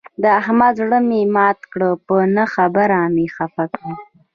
د احمد زړه مې مات کړ، په نه خبره مې خپه کړ.